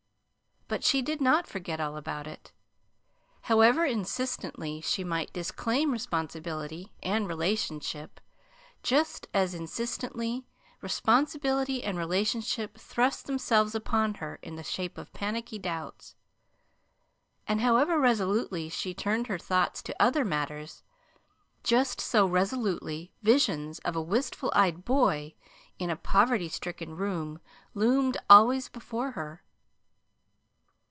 But she did not forget all about it. However insistently she might disclaim responsibility and relationship, just as insistently responsibility and relationship thrust themselves upon her in the shape of panicky doubts; and however resolutely she turned her thoughts to other matters, just so resolutely visions of a wistful eyed boy in a poverty stricken room loomed always before her.